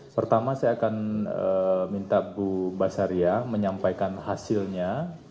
pertama saya akan minta bu basaria menyampaikan hasilnya